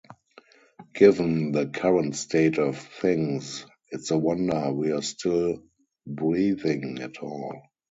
Given the current state of things, it's a wonder we're still breathing at all.